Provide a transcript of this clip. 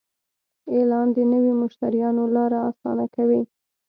اعلان د نوي مشتریانو لاره اسانه کوي.